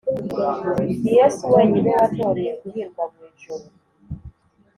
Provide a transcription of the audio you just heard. Ni yesu wenyine wantoreye guhirwa mu ijuru